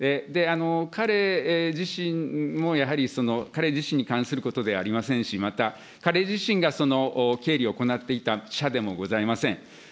彼自身もやはり彼自身に関することでありませんし、また、彼自身が、その経理を行っていたしゃでもございません。